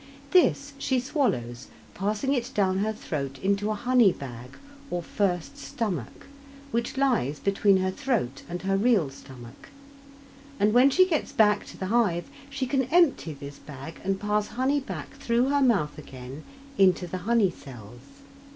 This she swallows, passing it down her throat into a honey bag or first stomach, which lies between her throat and her real stomach, and when she gets back to the hive she can empty this bag and pass honey back through her mouth again into the honey cells.